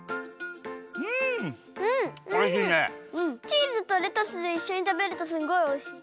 チーズとレタスでいっしょにたべるとすんごいおいしい。